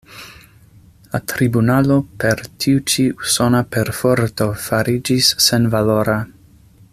La tribunalo per tiu ĉi usona perforto fariĝis senvalora.